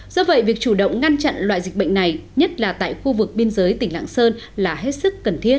do vậy việc chủ động ngăn chặn loại dịch bệnh này nhất là tại khu vực biên giới tỉnh lạng sơn là hết sức cần thiết